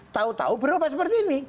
tahu tahu berubah seperti ini